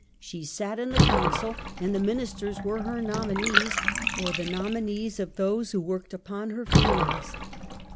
She sat in the council, and the ministers were her nominees, or the nominees of those who worked upon her feelings.